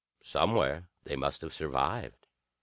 Somewhere they must have survived.